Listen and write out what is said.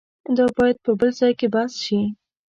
دا باید په بل ځای کې بحث شي.